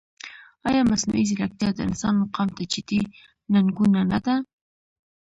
ایا مصنوعي ځیرکتیا د انسان مقام ته جدي ننګونه نه ده؟